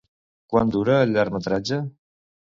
Quant dura el llargmetratge?